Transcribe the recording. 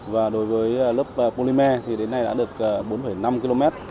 và đối với lớp polymer thì đến nay đã được bốn năm km